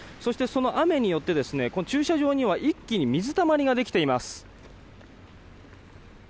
その雨によって駐車場には一気に水たまりができています。